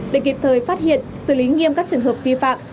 để kịp thời phát hiện xử lý nghiêm các trường hợp vi phạm